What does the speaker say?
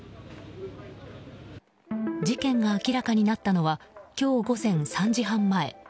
事件が明らかになったのは今日午前３時半前。